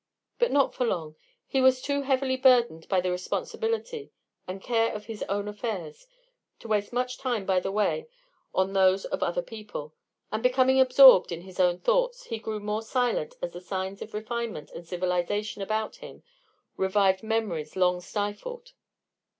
But not for long; he was too heavily burdened by the responsibility and care of his own affairs to waste much time by the way on those of other people; and becoming absorbed in his own thoughts, he grew more silent as the signs of refinement and civilization about him revived memories long stifled.